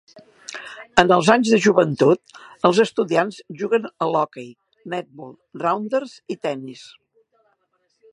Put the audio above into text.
En els anys de joventut, els estudiants juguen a hoquei, netbol, rounders i tennis.